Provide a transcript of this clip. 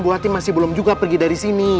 bu ati masih belum juga pergi dari sini